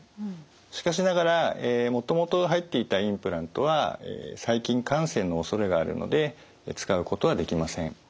しかしながらもともと入っていたインプラントは細菌感染のおそれがあるので使うことはできません。